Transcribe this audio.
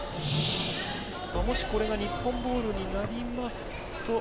もしこれが日本ボールになりますと。